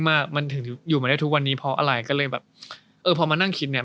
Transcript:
มามันถึงอยู่มาได้ทุกวันนี้เพราะอะไรก็เลยแบบเออพอมานั่งคิดเนี้ย